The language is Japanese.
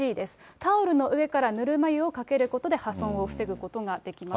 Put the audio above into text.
タオルの上からぬるま湯をかけることで破損を防ぐことができます。